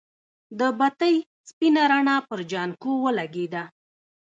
د بتۍ سپينه رڼا پر جانکو ولګېده.